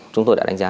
chúng tôi đã đánh giá